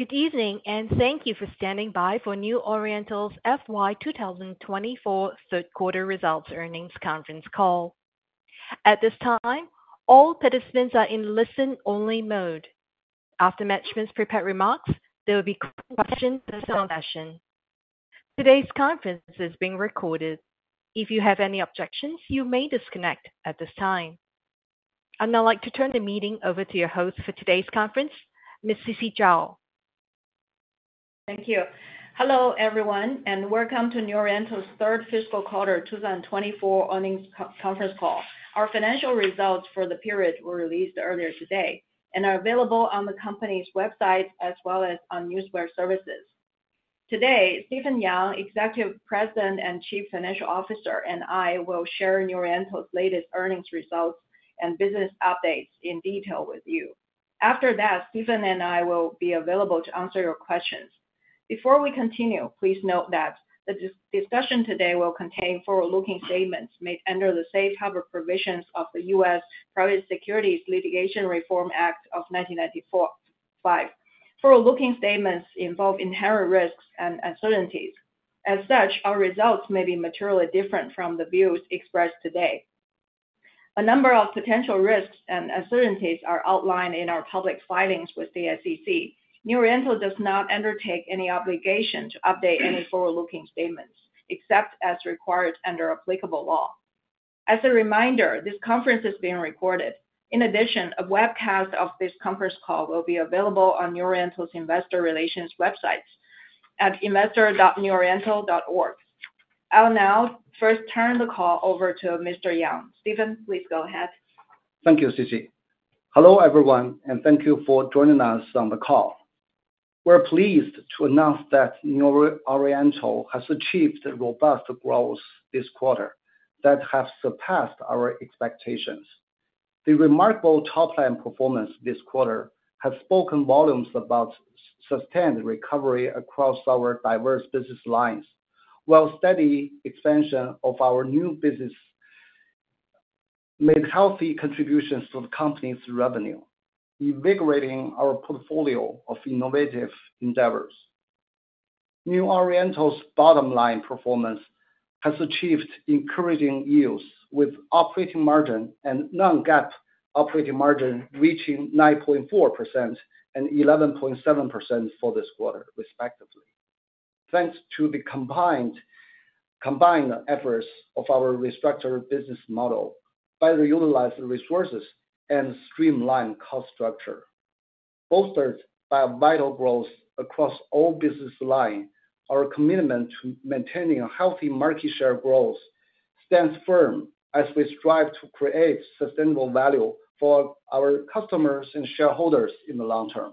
Good evening, and thank you for standing by for New Oriental's FY 2024 third quarter results earnings conference call. At this time, all participants are in listen-only mode. After management's prepared remarks, there will be question and answer session. Today's conference is being recorded. If you have any objections, you may disconnect at this time. I'd now like to turn the meeting over to your host for today's conference, Ms. Sisi Zhao. Thank you. Hello, everyone, and welcome to New Oriental's third fiscal quarter 2024 earnings conference call. Our financial results for the period were released earlier today and are available on the company's website as well as on newswire services. Today, Stephen Yang, Executive President and Chief Financial Officer, and I will share New Oriental's latest earnings results and business updates in detail with you. After that, Stephen and I will be available to answer your questions. Before we continue, please note that the discussion today will contain forward-looking statements made under the safe harbor provisions of the U.S. Private Securities Litigation Reform Act of 1995. Forward-looking statements involve inherent risks and uncertainties. As such, our results may be materially different from the views expressed today. A number of potential risks and uncertainties are outlined in our public filings with the SEC. New Oriental does not undertake any obligation to update any forward-looking statements, except as required under applicable law. As a reminder, this conference is being recorded. In addition, a webcast of this conference call will be available on New Oriental's investor relations websites at investor.neworiental.org. I'll now first turn the call over to Mr. Yang. Stephen, please go ahead. Thank you, Sisi. Hello, everyone, and thank you for joining us on the call. We're pleased to announce that New Oriental has achieved a robust growth this quarter that has surpassed our expectations. The remarkable top-line performance this quarter has spoken volumes about sustained recovery across our diverse business lines, while steady expansion of our new business made healthy contributions to the company's revenue, invigorating our portfolio of innovative endeavors. New Oriental's bottom line performance has achieved encouraging yields, with operating margin and non-GAAP operating margin reaching 9.4% and 11.7% for this quarter, respectively. Thanks to the combined efforts of our restructured business model, better utilize the resources and streamline cost structure, bolstered by a vital growth across all business line, our commitment to maintaining a healthy market share growth stands firm as we strive to create sustainable value for our customers and shareholders in the long-term.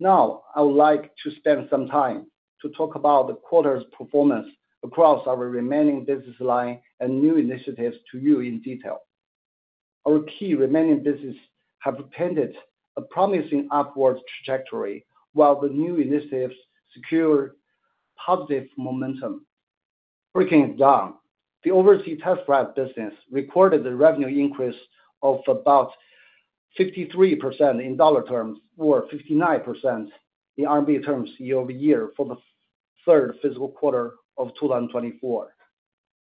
Now, I would like to spend some time to talk about the quarter's performance across our remaining business line and new initiatives to you in detail. Our key remaining business have painted a promising upward trajectory, while the new initiatives secure positive momentum. Breaking it down, the overseas test prep business recorded a revenue increase of about 53% in dollar terms or 59% in RMB terms year-over-year for the third fiscal quarter of 2024.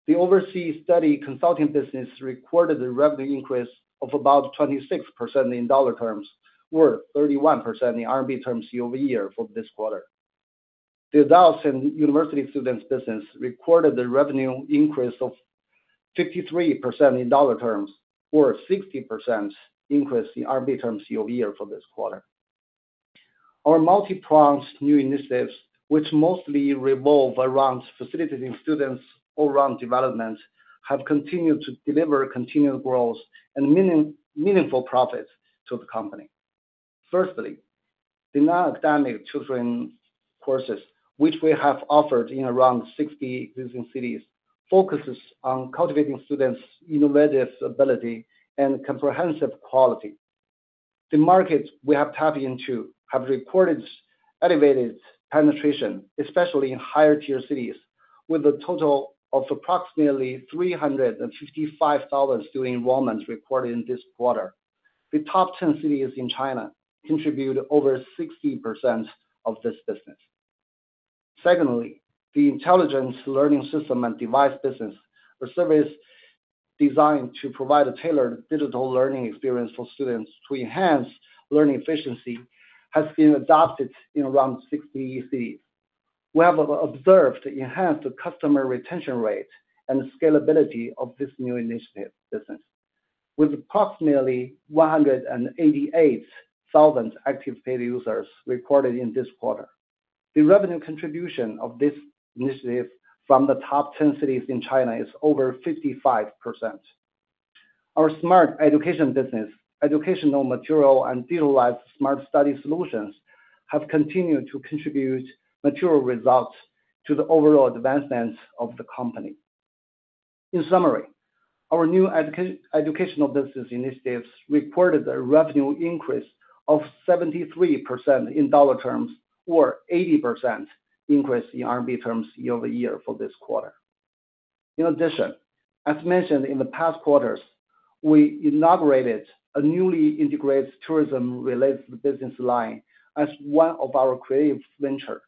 The overseas study consulting business recorded a revenue increase of about 26% in dollar terms, or 31% in RMB terms year-over-year for this quarter. The adults and university students business recorded a revenue increase of 53% in dollar terms or 60% increase in RMB terms year-over-year for this quarter. Our multi-pronged new initiatives, which mostly revolve around facilitating students' all-round development, have continued to deliver continued growth and meaningful profits to the company. Firstly, the non-academic tutoring courses, which we have offered in around 60 different cities, focuses on cultivating students' innovative ability and comprehensive quality. The markets we have tapped into have recorded elevated penetration, especially in higher-tier cities, with a total of approximately 355,000 student enrollments recorded in this quarter. The top 10 cities in China contribute over 60% of this business. Secondly, the intelligent learning system and device business, a service designed to provide a tailored digital learning experience for students to enhance learning efficiency, has been adopted in around 60 cities. We have observed enhanced customer retention rate and scalability of this new initiative business, with approximately 188,000 active paid users recorded in this quarter. The revenue contribution of this initiative from the top 10 cities in China is over 55%. Our smart education business, educational material, and digitalized smart study solutions have continued to contribute material results to the overall advancements of the company. In summary, our new educational business initiatives reported a revenue increase of 73% in dollar terms or 80% increase in RMB terms year-over-year for this quarter. In addition, as mentioned in the past quarters, we inaugurated a newly integrated tourism-related business line as one of our creative venture.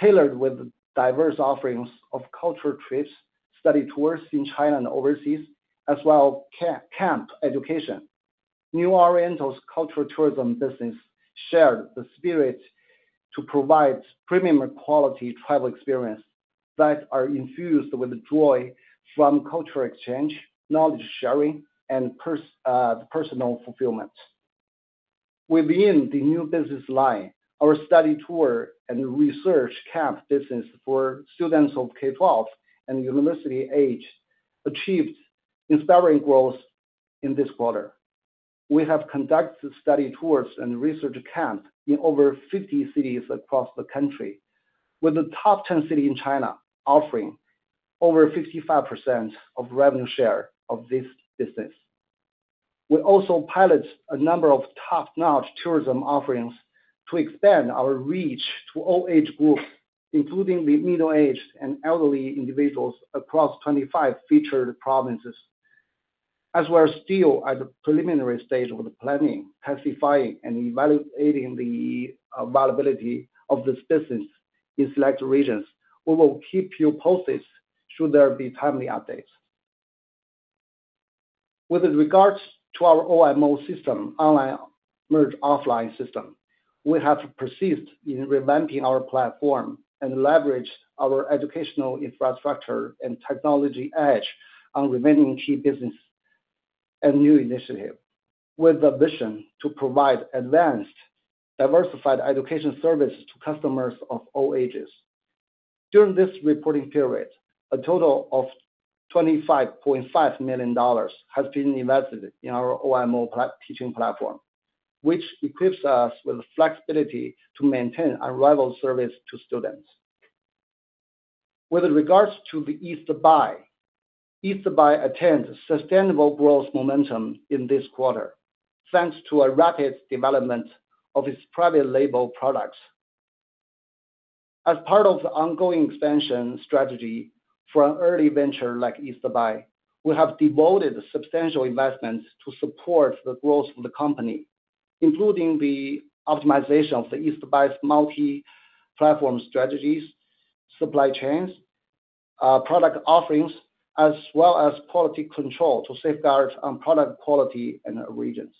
Tailored with diverse offerings of cultural trips, study tours in China and overseas, as well as camp education. New Oriental's cultural tourism business shared the spirit to provide premium quality travel experience that are infused with the joy from cultural exchange, knowledge sharing, and personal fulfillment. Within the new business line, our study tour and research camp business for students of K-12 and university age, achieved inspiring growth in this quarter. We have conducted study tours and research camp in over 50 cities across the country, with the top 10 city in China offering over 55% of revenue share of this business. We also pilot a number of top-notch tourism offerings to expand our reach to all age groups, including the middle-aged and elderly individuals across 25 featured provinces. As we are still at the preliminary stage of the planning, testing, and evaluating the viability of this business in select regions, we will keep you posted should there be timely updates. With regards to our OMO system, Online Merge Offline system, we have persisted in revamping our platform and leveraged our educational infrastructure and technology edge on remaining key business and new initiative, with a vision to provide advanced, diversified education services to customers of all ages. During this reporting period, a total of $25.5 million has been invested in our OMO teaching platform, which equips us with the flexibility to maintain unrivaled service to students. With regards to East Buy, East Buy attains sustainable growth momentum in this quarter, thanks to a rapid development of its private label products. As part of the ongoing expansion strategy for an early venture like East Buy, we have devoted substantial investments to support the growth of the company, including the optimization of East Buy's multi-platform strategies, supply chains, product offerings, as well as quality control to safeguard on product quality in the regions.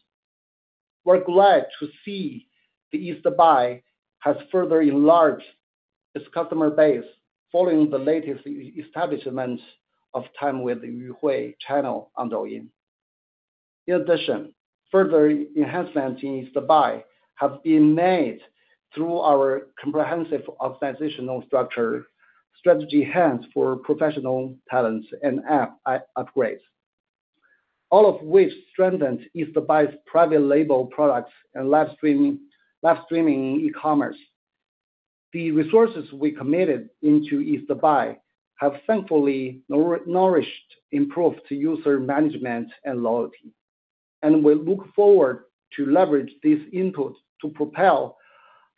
We're glad to see East Buy has further enlarged its customer base, following the latest establishment of Time with Yuhui channel on Douyin. In addition, further enhancements in East Buy have been made through our comprehensive organizational structure, strategy hands for professional talents and app upgrades. All of which strengthened East Buy's private label products and live streaming, live streaming e-commerce. The resources we committed into East Buy have thankfully nourished, improved user management and loyalty, and we look forward to leverage this input to propel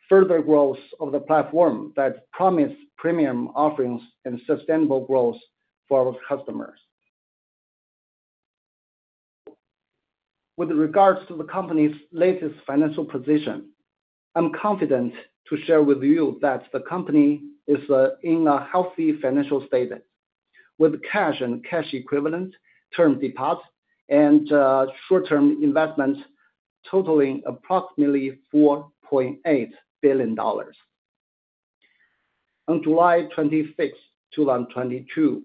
further growth of the platform that promise premium offerings and sustainable growth for our customers. With regards to the company's latest financial position, I'm confident to share with you that the company is in a healthy financial status, with cash and cash equivalent, term deposits, and short-term investments totaling approximately $4.8 billion. On July 26th, 2022,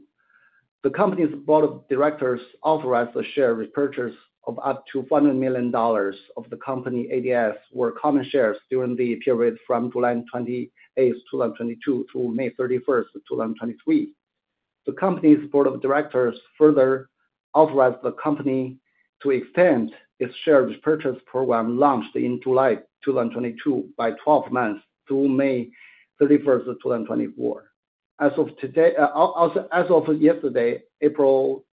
the company's board of directors authorized a share repurchase of up to $100 million of the company ADS, or common shares, during the period from July 28th, 2022 to May 31st, 2023. The company's board of directors further authorized the company to extend its share repurchase program, launched in July 2022, by 12 months to May 31st, 2024. As of today, as of yesterday, April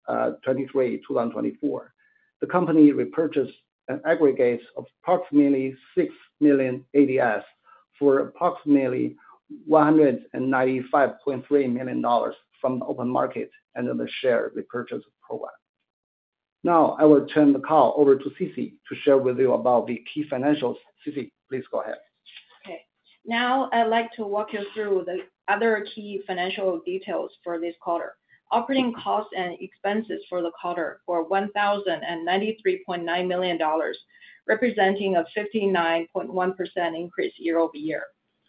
23, 2024, the company repurchased an aggregate of approximately 6 million ADS for approximately $195.3 million from the open market under the share repurchase program. Now, I will turn the call over to Sisi to share with you about the key financials. Sisi, please go ahead. Okay. Now, I'd like to walk you through the other key financial details for this quarter. Operating costs and expenses for the quarter were $1,093.9 million, representing a 59.1% increase year-over-year.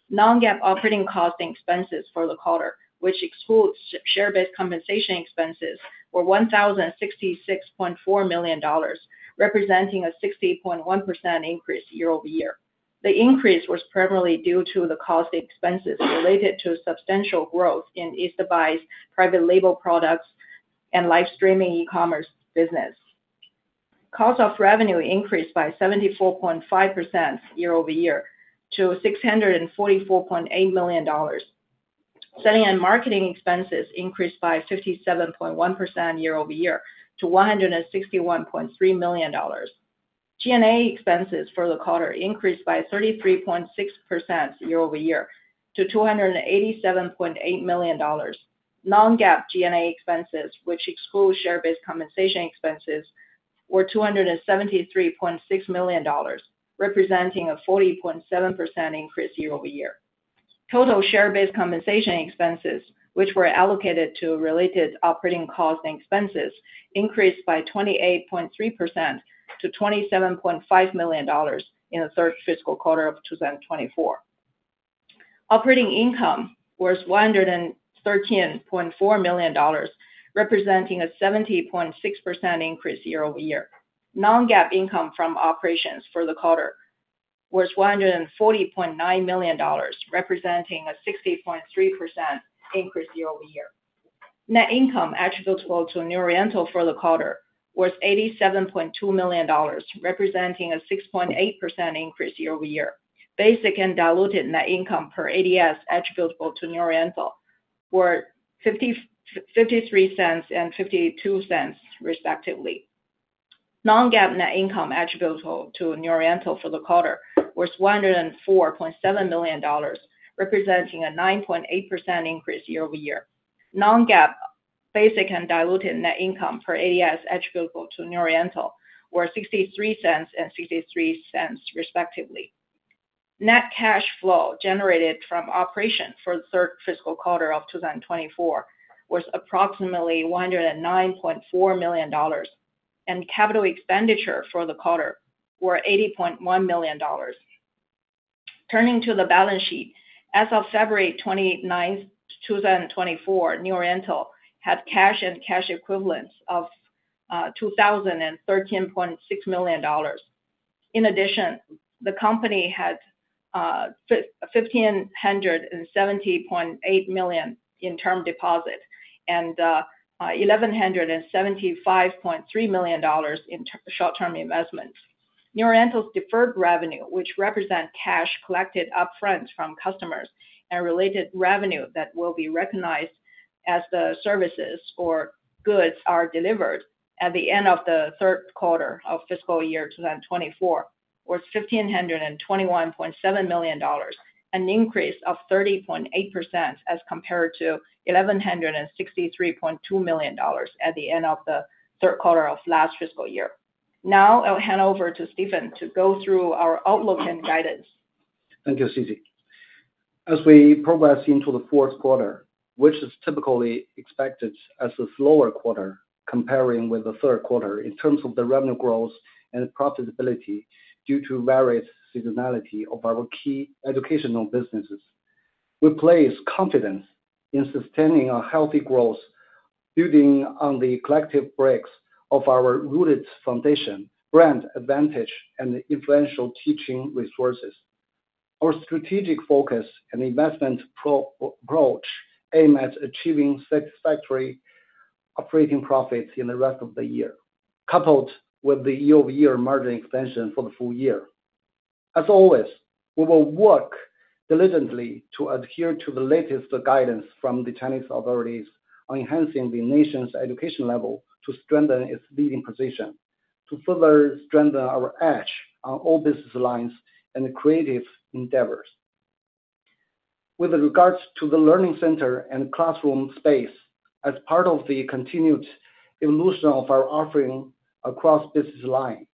Non-GAAP operating costs and expenses for the quarter, which excludes share-based compensation expenses, were $1,066.4 million, representing a 60.1% increase year-over-year. The increase was primarily due to the cost expenses related to substantial growth in East Buy's private label products and live streaming e-commerce business. Cost of revenue increased by 74.5% year-over-year to $644.8 million. Selling and marketing expenses increased by 57.1% year-over-year to $161.3 million. G&A expenses for the quarter increased by 33.6% year-over-year to $287.8 million. Non-GAAP G&A expenses, which excludes share-based compensation expenses, were $273.6 million, representing a 40.7% increase year-over-year. Total share-based compensation expenses, which were allocated to related operating costs and expenses, increased by 28.3% to $27.5 million in the third fiscal quarter of 2024. Operating income was $113.4 million, representing a 70.6% increase year-over-year. Non-GAAP income from operations for the quarter was $140.9 million, representing a 60.3% increase year-over-year. Net income attributable to New Oriental for the quarter was $87.2 million, representing a 6.8% increase year-over-year. Basic and diluted net income per ADS attributable to New Oriental were $0.53 and $0.52, respectively. Non-GAAP net income attributable to New Oriental for the quarter was $104.7 million, representing a 9.8% increase year-over-year. Non-GAAP basic and diluted net income per ADS attributable to New Oriental were $0.63 and $0.63, respectively. Net cash flow generated from operation for the third fiscal quarter of 2024 was approximately $109.4 million, and capital expenditure for the quarter were $80.1 million. Turning to the balance sheet. As of February 29th, 2024, New Oriental had cash and cash equivalents of $2,013.6 million. In addition, the company had $1,570.8 million in term deposit and $1,175.3 million in short-term investments. New Oriental's deferred revenue, which represent cash collected upfront from customers and related revenue that will be recognized as the services or goods are delivered at the end of the third quarter of fiscal year 2024, was $1,521.7 million, an increase of 30.8% as compared to $1,163.2 million at the end of the third quarter of last fiscal year. Now, I'll hand over to Stephen to go through our outlook and guidance. Thank you, Sisi. As we progress into the fourth quarter, which is typically expected as a slower quarter comparing with the third quarter in terms of the revenue growth and profitability due to various seasonality of our key educational businesses, we place confidence in sustaining a healthy growth building on the collective breaks of our rooted foundation, brand advantage, and influential teaching resources. Our strategic focus and investment approach aim at achieving satisfactory operating profits in the rest of the year, coupled with the year-over-year margin expansion for the full year. As always, we will work diligently to adhere to the latest guidance from the Chinese authorities on enhancing the nation's education level to strengthen its leading position, to further strengthen our edge on all business lines and creative endeavors. With regards to the learning center and classroom space, as part of the continued evolution of our offering across business line,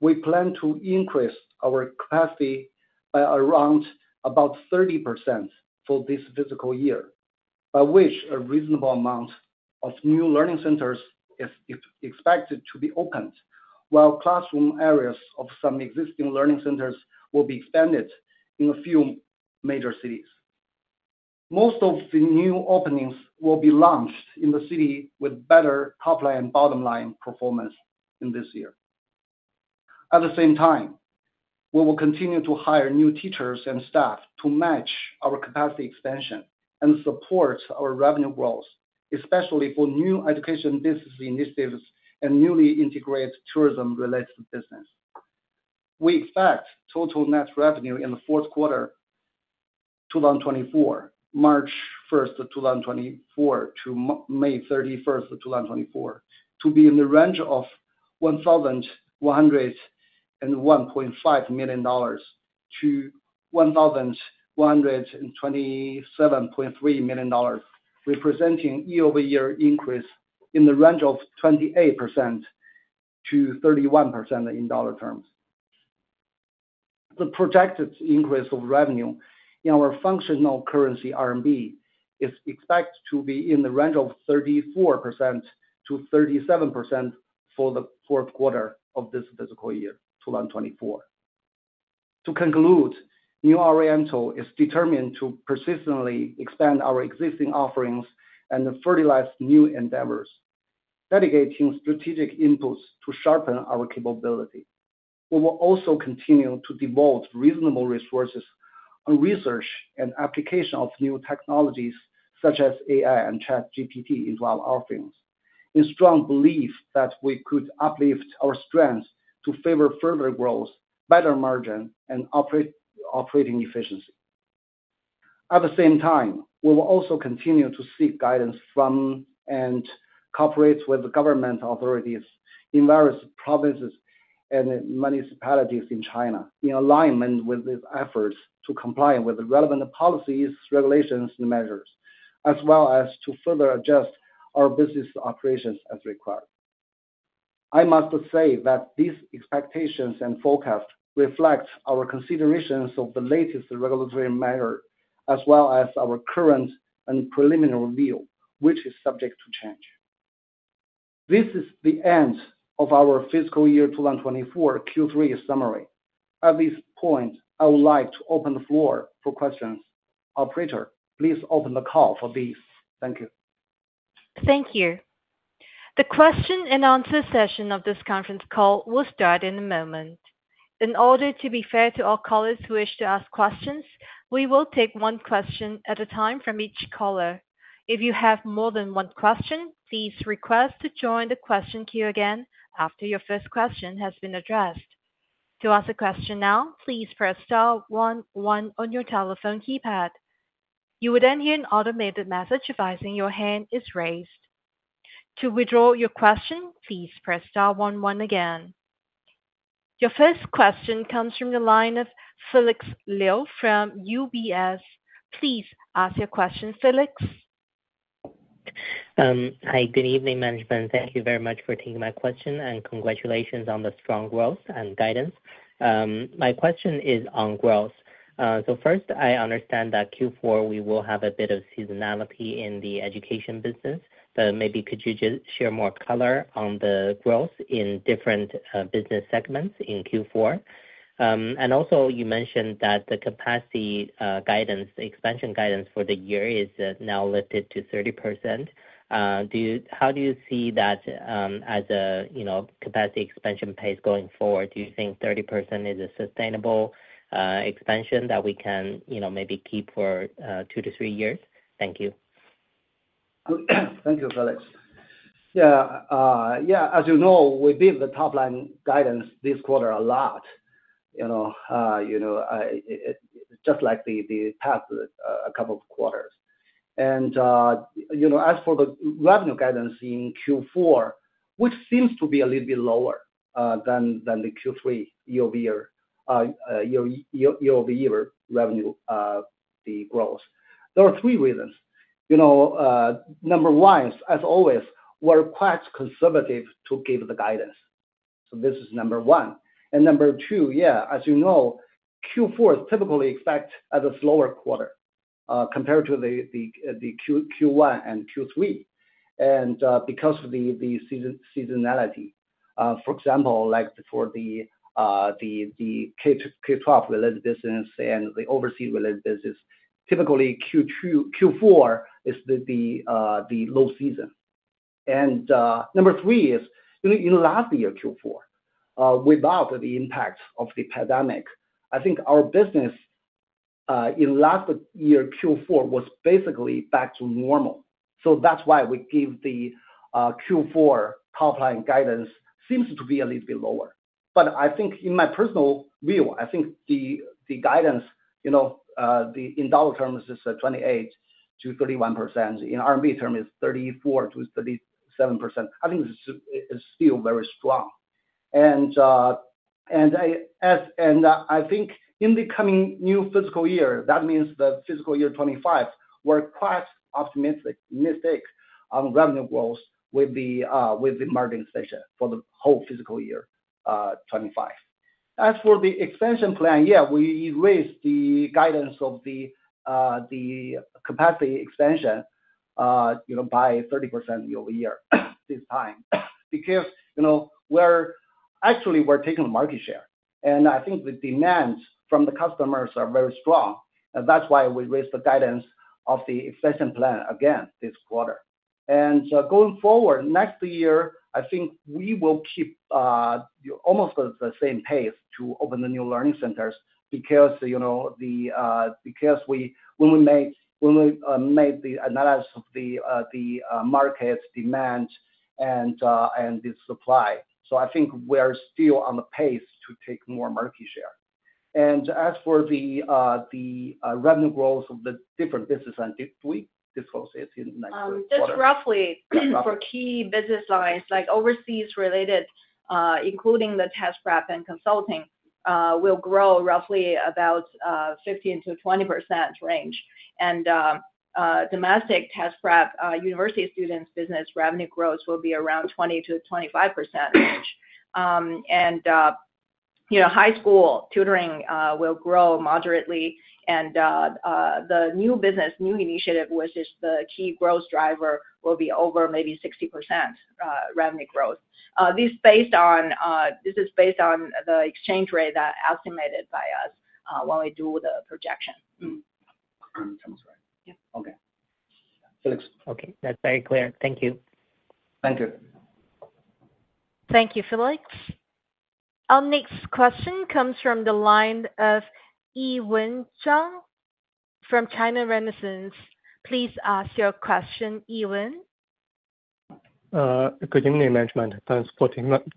we plan to increase our capacity by around about 30% for this fiscal year, by which a reasonable amount of new learning centers is expected to be opened, while classroom areas of some existing learning centers will be expanded in a few major cities. Most of the new openings will be launched in the city with better top line and bottom line performance in this year. At the same time, we will continue to hire new teachers and staff to match our capacity expansion and support our revenue growth, especially for new education business initiatives and newly integrated tourism-related business. We expect total net revenue in the fourth quarter, 2024, March 1st, 2024 to May 31st, 2024, to be in the range of $1,101.5 million-$1,127.3 million, representing year-over-year increase in the range of 28%-31% in dollar terms. The projected increase of revenue in our functional currency, RMB, is expected to be in the range of 34%-37% for the fourth quarter of this fiscal year, 2024. To conclude, New Oriental is determined to persistently expand our existing offerings and fertilize new endeavors, dedicating strategic inputs to sharpen our capability. We will also continue to devote reasonable resources on research and application of new technologies such as AI and ChatGPT into our offerings, in strong belief that we could uplift our strengths to favor further growth, better margin, and operating efficiency. At the same time, we will also continue to seek guidance from and cooperate with the government authorities in various provinces and municipalities in China, in alignment with these efforts to comply with the relevant policies, regulations, and measures, as well as to further adjust our business operations as required. I must say that these expectations and forecasts reflect our considerations of the latest regulatory measure, as well as our current and preliminary view, which is subject to change. This is the end of our fiscal year 2024 Q3 summary. At this point, I would like to open the floor for questions. Operator, please open the call for this. Thank you. Thank you. The question and answer session of this conference call will start in a moment. In order to be fair to all callers who wish to ask questions, we will take one question at a time from each caller. If you have more than one question, please request to join the question queue again after your first question has been addressed. To ask a question now, please press star one one on your telephone keypad. You will then hear an automated message advising your hand is raised. To withdraw your question, please press star one one again. Your first question comes from the line of Felix Liu from UBS. Please ask your question, Felix. Hi, good evening, management. Thank you very much for taking my question, and congratulations on the strong growth and guidance. My question is on growth. So first, I understand that Q4, we will have a bit of seasonality in the education business, but maybe could you just share more color on the growth in different business segments in Q4? And also you mentioned that the capacity expansion guidance for the year is now lifted to 30%. How do you see that as a, you know, capacity expansion pace going forward? Do you think 30% is a sustainable expansion that we can, you know, maybe keep for two to three years? Thank you. Thank you, Felix. Yeah, yeah, as you know, we beat the top line guidance this quarter a lot, you know, you know, it just like the past couple of quarters. And, you know, as for the revenue guidance in Q4, which seems to be a little bit lower than the Q3 year-over-year revenue growth. There are three reasons. You know, number one, as always, we're quite conservative to give the guidance. So this is number one. And number two, yeah, as you know, Q4 is typically expected as a slower quarter compared to the Q1 and Q3, and because of the seasonality. For example, like for the K-12 related business and the overseas related business, typically, Q2-Q4 is the low season. Number three is, in last year Q4, without the impact of the pandemic, I think our business in last year Q4 was basically back to normal. So that's why we give the Q4 top line guidance seems to be a little bit lower. But I think in my personal view, I think the guidance, you know, the in dollar terms is 28%-31%. In RMB terms, it's 34%-37%. I think it's still very strong. I think in the coming new fiscal year, that means the fiscal year 2025, we're quite optimistic about revenue growth with the market share for the whole fiscal year 2025. As for the expansion plan, yeah, we raised the guidance of the capacity expansion, you know, by 30% year-over-year, this time. Because, you know, we're actually taking market share, and I think the demands from the customers are very strong, and that's why we raised the guidance of the expansion plan again this quarter. So going forward, next year, I think we will keep almost the same pace to open the new learning centers because, you know, because when we made the analysis of the market demand and the supply. So I think we're still on the pace to take more market share. And as for the revenue growth of the different business, and if we disclose it in next quarter? Just roughly, for key business lines, like overseas related, including the test prep and consulting, will grow roughly about 15%-20% range. And domestic test prep, university students, business revenue growth will be around 20-25% range. And you know, high school tutoring will grow moderately. And the new business, new initiative, which is the key growth driver, will be over maybe 60% revenue growth. This is based on the exchange rate that estimated by us, when we do the projection. Mm-hmm. Sounds right. Yeah. Okay. Felix? Okay. That's very clear. Thank you. Thank you. Thank you, Felix. Our next question comes from the line of Yiwen Zhang from China Renaissance. Please ask your question, Yiwen. Good evening, management. Thanks for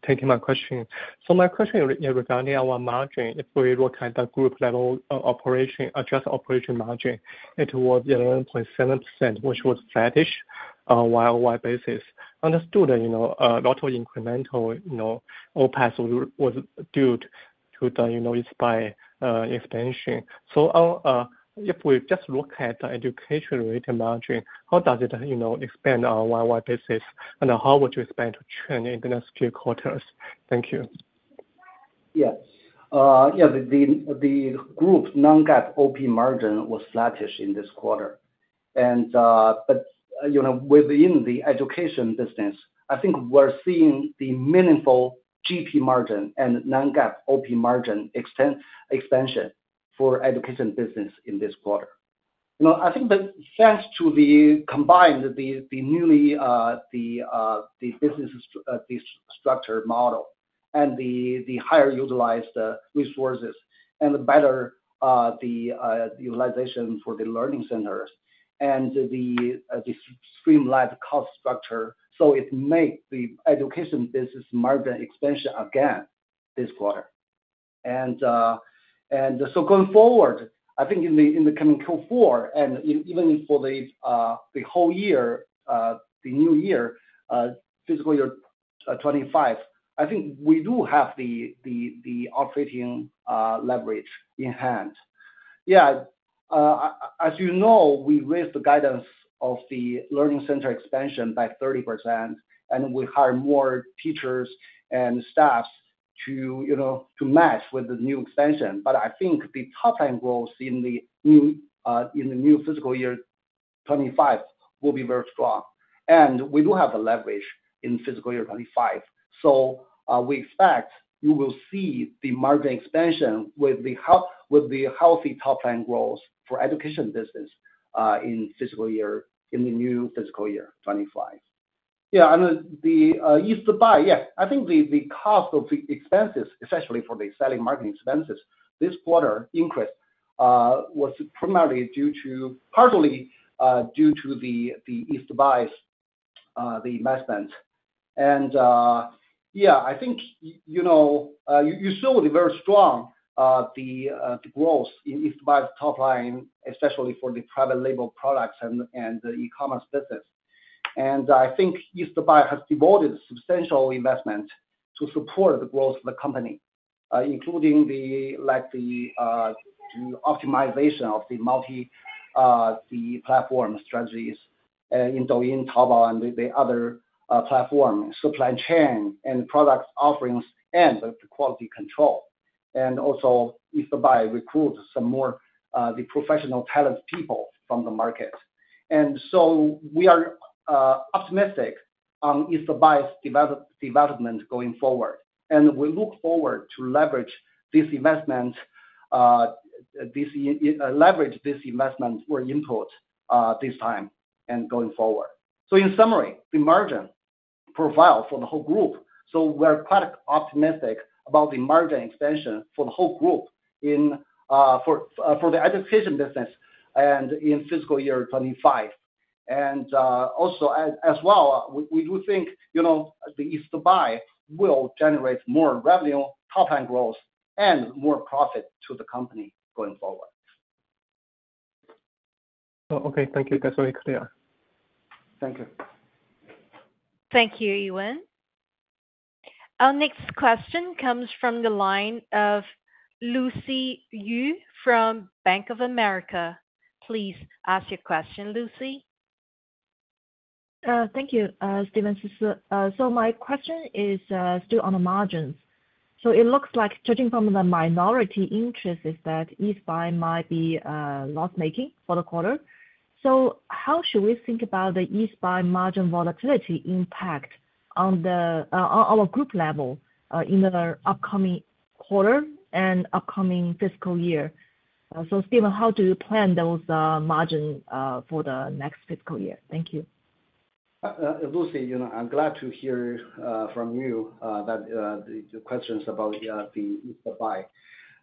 taking my question. So my question regarding our margin, if we look at the group level operating adjusted operating margin, it was 11.7%, which was flattish year-on-year basis. I understand that, you know, a lot of incremental OpEx was due to the East Buy expansion. So if we just look at the education-related margin, how does it expand on year-on-year basis, and how would you expect to trend in the next few quarters? Thank you. Yes. Yeah, the group's non-GAAP OP margin was flattish in this quarter. You know, within the education business, I think we're seeing the meaningful GP margin and non-GAAP OP margin expansion for education business in this quarter. You know, I think that thanks to the combined, the newly, the businesses, the structure model and the higher utilized resources and the better utilization for the learning centers and the streamlined cost structure, so it make the education business margin expansion again this quarter. And so going forward, I think in the coming Q4, and even for the whole year, the new year, fiscal year 25, I think we do have the operating leverage in hand. Yeah, as you know, we raised the guidance of the learning center expansion by 30%, and we hire more teachers and staffs to, you know, to match with the new expansion. But I think the top-line growth in the new fiscal year 2025 will be very strong. And we do have a leverage in fiscal year 2025. So, we expect you will see the margin expansion with the health, with the healthy top-line growth for education business, in fiscal year, in the new fiscal year, 2025. Yeah, and the East Buy. Yes, I think the, the cost of the expenses, especially for the selling marketing expenses this quarter increase, was primarily due to, partly due to the, the East Buy, the investment. Yeah, I think, you know, you saw the very strong growth in East Buy top line, especially for the private label products and the e-commerce business. I think East Buy has devoted substantial investment to support the growth of the company, including, like, the optimization of the multi-platform strategies in Douyin, Taobao, and the other platform, supply chain and product offerings and the quality control. Also, East Buy recruits some more the professional talent people from the market. So we are optimistic on East Buy's development going forward, and we look forward to leverage this investment, this, leverage this investment or input, this time and going forward. So in summary, the margin profile for the whole group, so we're quite optimistic about the margin expansion for the whole group in the education business and in fiscal year 25. And also, as well, we do think, you know, East Buy will generate more revenue, top-line growth, and more profit to the company going forward. Oh, okay. Thank you. That's very clear. Thank you. Thank you, Yiwen. Our next question comes from the line of Lucy Yu from Bank of America. Please ask your question, Lucy. Thank you, Stephen. So, so my question is, still on the margins. So it looks like judging from the minority interest is that East Buy might be, loss-making for the quarter. So how should we think about the East Buy margin volatility impact on the, on a group level, in the upcoming quarter and upcoming fiscal year? So Stephen, how do you plan those, margin, for the next fiscal year? Thank you. Lucy, you know, I'm glad to hear from you that the questions about the East Buy.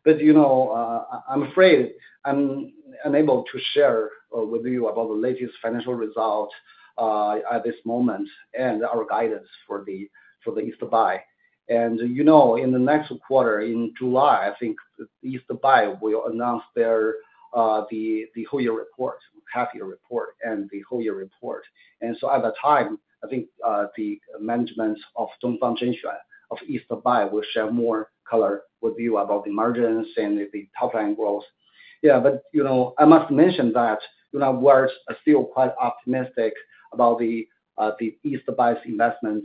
But, you know, I'm afraid I'm unable to share with you about the latest financial results at this moment and our guidance for the East Buy. You know, in the next quarter, in July, I think East Buy will announce their whole year report, half year report, and the whole year report. So at the time, I think the management of Dongfang Zhenxuan, of East Buy, will share more color with you about the margins and the top-line growth. Yeah, but, you know, I must mention that, you know, we're still quite optimistic about the East Buy's investment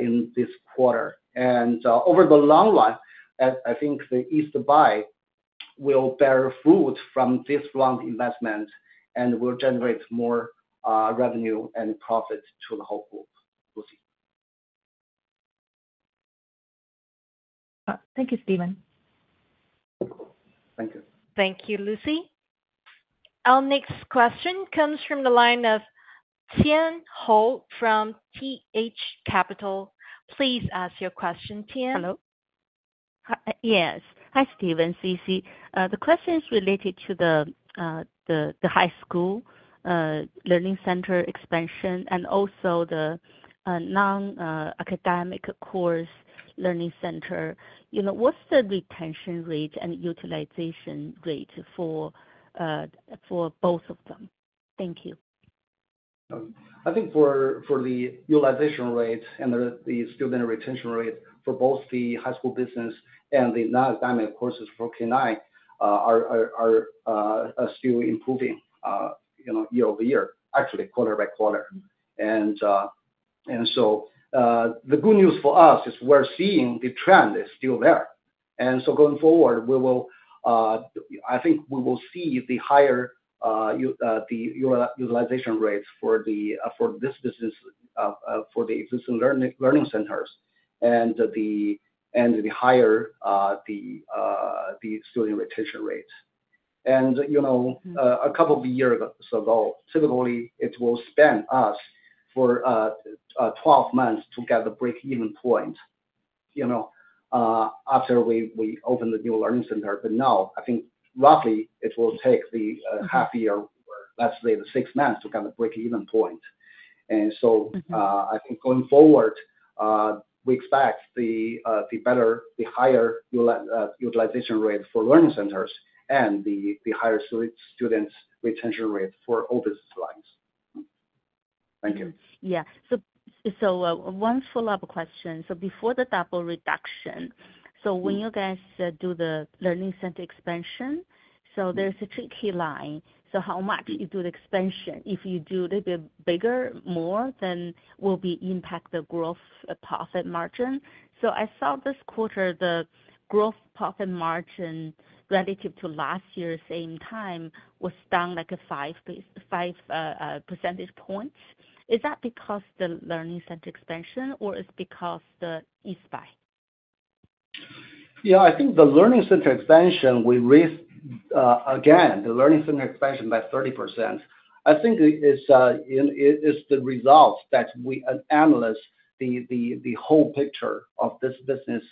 in this quarter. Over the long run, I think East Buy will bear fruit from this strong investment and will generate more revenue and profit to the whole group. Lucy. Thank you, Stephen. Thank you. Thank you, Lucy. Our next question comes from the line of Tian Hou from TH Capital. Please ask your question, Tian. Yes. Hi, Stephen, Sisi. The question is related to the high school learning center expansion and also the non-academic course learning center. You know, what's the retention rate and utilization rate for both of them? Thank you. I think for the utilization rate and the student retention rate for both the high school business and the non-academic courses for K-9 are still improving, you know, year-over-year, actually quarter by quarter. And so the good news for us is we're seeing the trend is still there. And so going forward, we will, I think we will see the higher utilization rates for this business for the existing learning centers and the higher student retention rates. And, you know, a couple of years ago, typically, it will spend us for 12 months to get to break-even point, you know, after we open the new learning center. But now, I think roughly it will take the half year or let's say the six months to get to break-even point. And so Mm-hmm. I think going forward, we expect the better, the higher utilization rate for learning centers and the higher students retention rate for all business lines. Thank you. Yeah. So, one follow-up question. So before the Double Reduction, so when you guys do the learning center expansion, so there's a tricky line. So how much you do the expansion? If you do a little bit bigger, more, then will it impact the gross profit margin? So I saw this quarter, the gross profit margin relative to last year's same time was down, like, 5 percentage points. Is that because the learning center expansion or it's because the East Buy? Yeah, I think the learning center expansion, we raised, again, the learning center expansion by 30%. I think it is the results that we analyze the whole picture of this business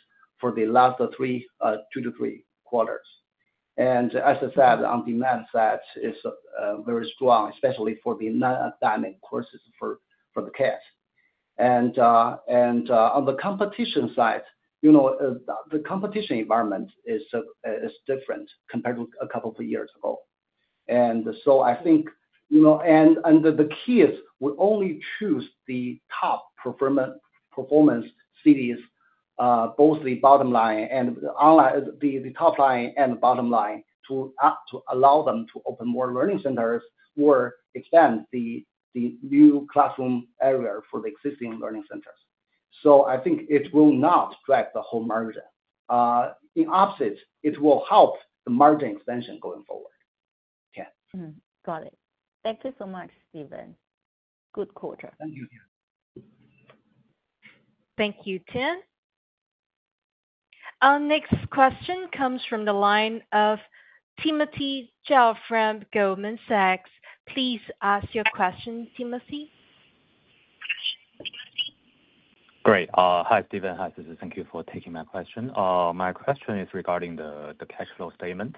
for the last two to three quarters. And as I said, on demand side, it's very strong, especially for the non-academic courses for the kids. And on the competition side, you know, the competition environment is different compared with a couple of years ago. And so I think, you know, and the kids would only choose the top performance cities, both the bottom line and the top line and the bottom line, to allow them to open more learning centers or expand the new classroom area for the existing learning centers. I think it will not drag the whole margin. The opposite, it will help the margin expansion going forward. Yeah. Mm-hmm. Got it. Thank you so much, Stephen. Good quarter. Thank you. Thank you, Tim. Our next question comes from the line of Timothy Zhao from Goldman Sachs. Please ask your question, Timothy. Great. Hi, Stephen. Hi, Sisi. Thank you for taking my question. My question is regarding the cash flow statement.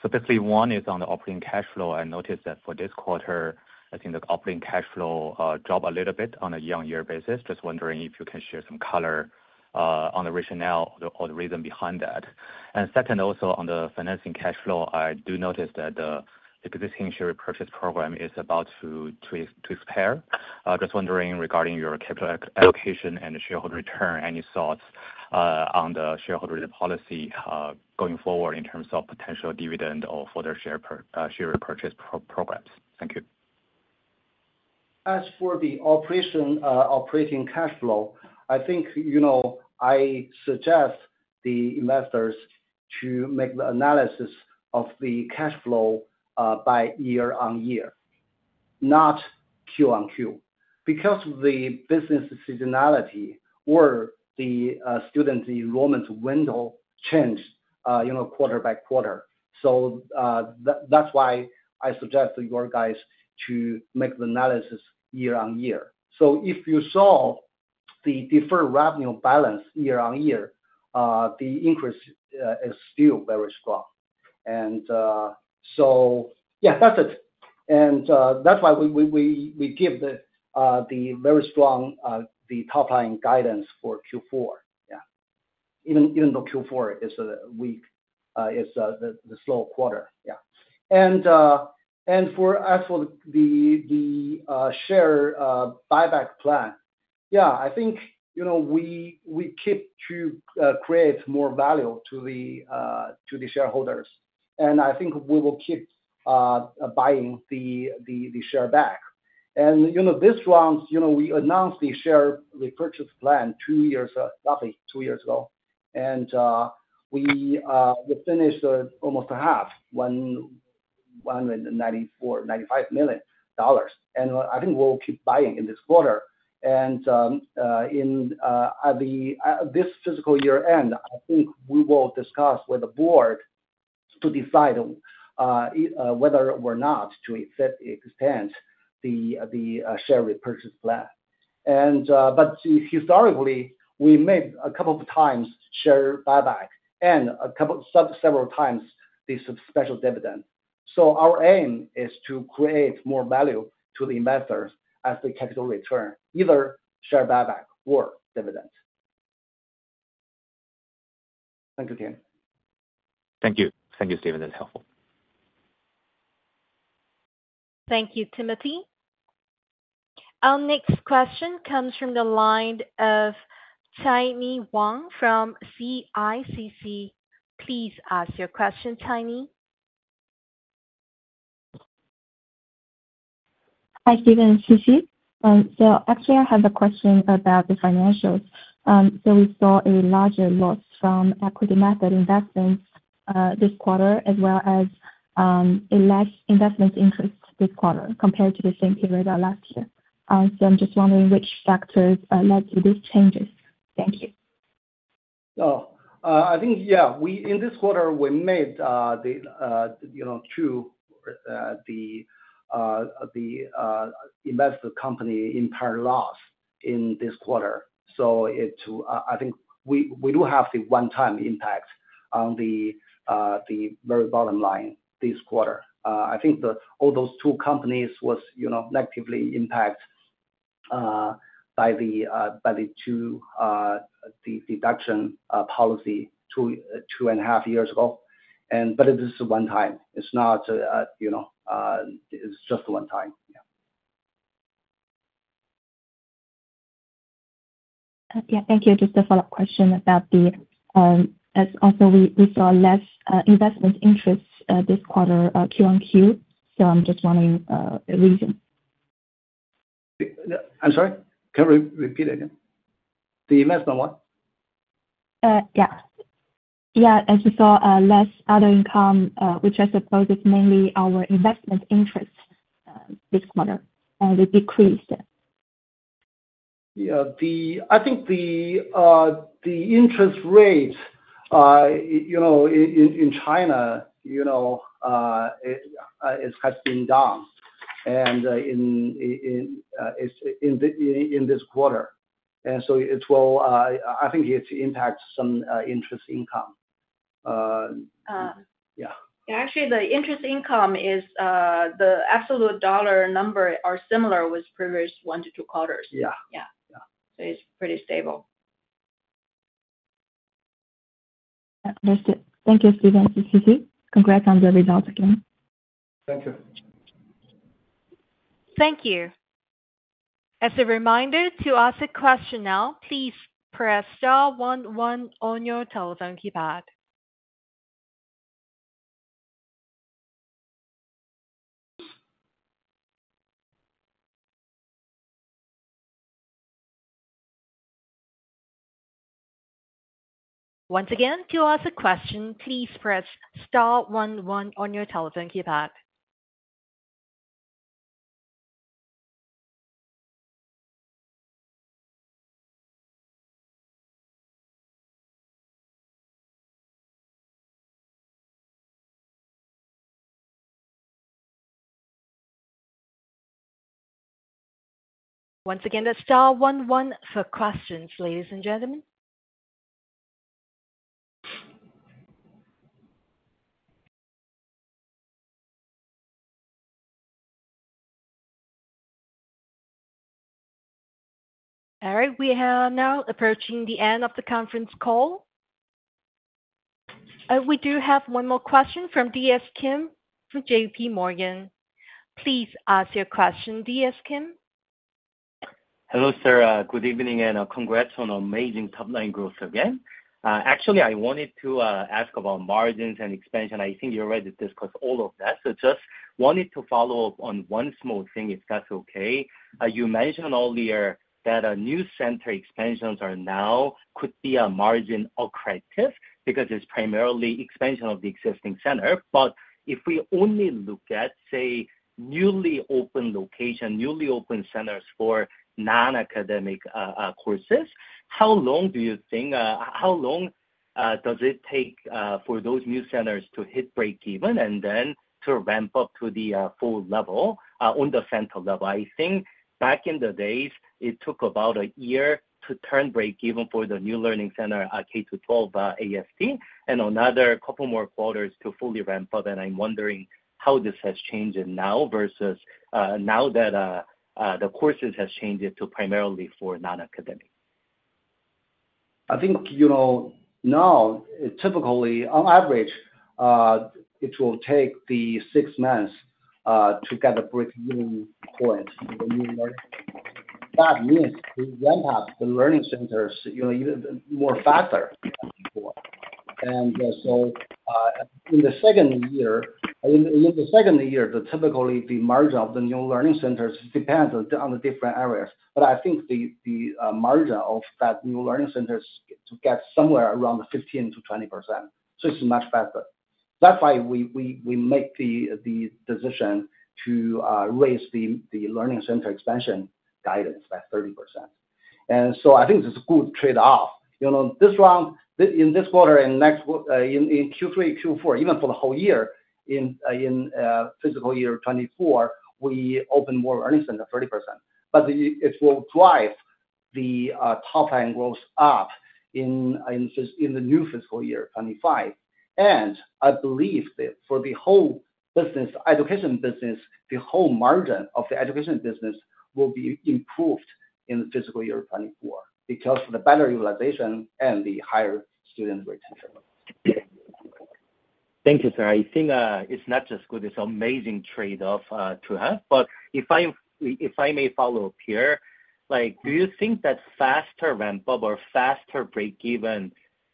So basically, one is on the operating cash flow. I noticed that for this quarter, I think the operating cash flow dropped a little bit on a year-on-year basis. Just wondering if you can share some color on the rationale or the reason behind that. And second, also on the financing cash flow, I do notice that the existing share repurchase program is about to expire. Just wondering, regarding your capital allocation and shareholder return, any thoughts on the shareholder policy going forward in terms of potential dividend or further share repurchase programs? Thank you. As for the operation, operating cash flow, I think, you know, I suggest the investors to make the analysis of the cash flow by year-on-year, not quarter-on-quarter. Because of the business seasonality or the student enrollment window change, you know, quarter by quarter. So, that, that's why I suggest you guys to make the analysis year-on-year. So if you saw the deferred revenue balance year-on-year, the increase is still very strong. And, so yeah, that's it. And, that's why we give the very strong the top-line guidance for Q4. Yeah. Even though Q4 is a weak the slow quarter. Yeah. As for the share buyback plan, yeah, I think, you know, we keep to create more value to the shareholders, and I think we will keep buying the share back. And, you know, this round, you know, we announced the share repurchase plan roughly two years ago. And, we finished almost half, $195 million. And I think we'll keep buying in this quarter. And, at the end of this fiscal year, I think we will discuss with the board to decide whether or not to accept, extend the share repurchase plan. But historically, we made a couple of times share buyback and a couple, several times this special dividend. Our aim is to create more value to the investors as the capital return, either share buyback or dividends. Thank you, Tim. Thank you. Thank you, Stephen. That's helpful. Thank you, Timothy. Our next question comes from the line of Xinyi Wang from CICC. Please ask your question, Xinyi. Hi, Stephen and Sisi. So actually I have a question about the financials. So we saw a larger loss from equity method investments, this quarter, as well as, a less investment interest this quarter compared to the same period of last year. So I'm just wondering which factors, led to these changes? Thank you. Oh, I think, yeah, we, in this quarter, we made the two invested companies' entire loss in this quarter. So it, I think we do have the one-time impact on the very bottom line this quarter. I think all those two companies was, you know, negatively impacted by the Double Reduction policy two and a half years ago. And, but it is one time. It's not, you know, it's just one time. Yeah. Okay, thank you. Just a follow-up question about as we also saw less investment interest this quarter, QoQ. So I'm just wondering, the reason? Yeah. I'm sorry? Can you re-repeat again? The investment what? Yeah. Yeah, as we saw, less other income, which I suppose is mainly our investment interest this quarter, it decreased. Yeah, I think the interest rate, you know, in China, you know, it has been down and in this quarter. And so it will, I think it impacts some interest income. Yeah. Actually, the interest income is the absolute dollar number are similar with previous 1-2 quarters. Yeah. Yeah. Yeah. So it's pretty stable. Yeah, that's it. Thank you, Stephen and Sisi. Congrats on the results again. Thank you. Thank you. As a reminder, to ask a question now, please press star one one on your telephone keypad. Once again, to ask a question, please press star one one on your telephone keypad. Once again, that's star one one for questions, ladies and gentlemen. All right, we are now approaching the end of the conference call. We do have one more question from DS Kim from JPMorgan. Please ask your question, DS Kim. Hello, sir, good evening, and, congrats on amazing top line growth again. Actually, I wanted to ask about margins and expansion. I think you already discussed all of that. So just wanted to follow up on one small thing, if that's okay. You mentioned earlier that a new center expansions are now, could be a margin accretive, because it's primarily expansion of the existing center. But if we only look at, say, newly opened location, newly opened centers for non-academic, courses, how long do you think, how long, does it take, for those new centers to hit breakeven and then to ramp up to the, full level, on the center level? I think back in the days, it took about a year to turn breakeven for the new learning center, K-12, AST, and another couple more quarters to fully ramp up. I'm wondering how this has changed now versus now that the courses has changed to primarily for non-academic. I think, you know, now, typically, on average, it will take six months to get a breakeven point in the new learning. That means we ramp up the learning centers, you know, even more faster than before. And so in the second year, typically the margin of the new learning centers depends on the different areas. But I think the margin of that new learning centers to get somewhere around 15%-20%, so it's much better. That's why we make the decision to raise the learning center expansion guidance by 30%. And so I think this is a good trade-off. You know, this round, in this quarter and next quarter, in Q3, Q4, even for the whole year, in fiscal year 2024, we opened more earnings than the 30%. But it will drive the top line growth up in the new fiscal year, 2025. And I believe that for the whole business, education business, the whole margin of the education business will be improved in the fiscal year 2024, because of the better utilization and the higher student retention. Thank you, sir. I think, it's not just good, it's amazing trade-off, to have. But if I, if I may follow up here, like, do you think that faster ramp up or faster breakeven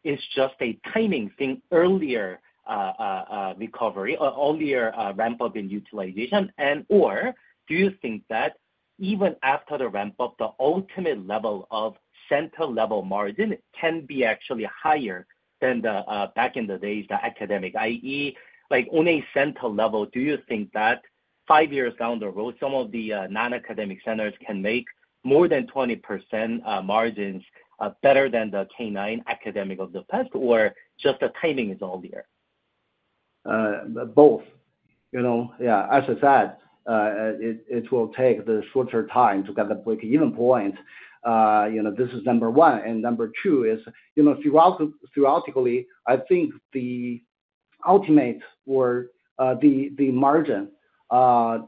is just a timing thing, earlier recovery, earlier ramp up in utilization? And/or do you think that even after the ramp up, the ultimate level of center level margin can be actually higher than the, back in the days, the academic, i.e., like on a center level, do you think that 5 years down the road, some of the, non-academic centers can make more than 20%, margins, better than the K-9 academic of the past, or just the timing is all there? Both. You know, yeah, as I said, it will take the shorter time to get the breakeven point. You know, this is number one. And number two is, you know, throughout, theoretically, I think the ultimate or, the, the margin, of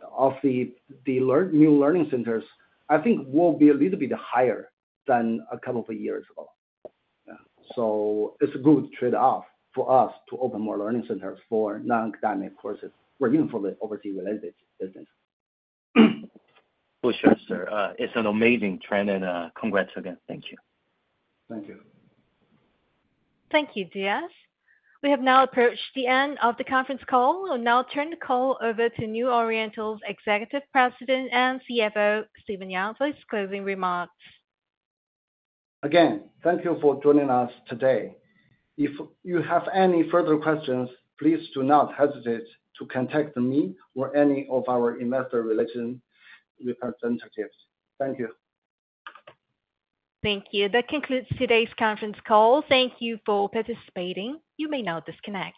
the, the new learning centers, I think will be a little bit higher than a couple of years ago. Yeah. So it's a good trade-off for us to open more learning centers for non-academic courses or even for the overseas related business. For sure, sir. It's an amazing trend, and, congrats again. Thank you. Thank you. Thank you, DS. We have now approached the end of the conference call. We'll now turn the call over to New Oriental's Executive President and CFO, Stephen Yang, for his closing remarks. Again, thank you for joining us today. If you have any further questions, please do not hesitate to contact me or any of our investor relation representatives. Thank you. Thank you. That concludes today's conference call. Thank you for participating. You may now disconnect.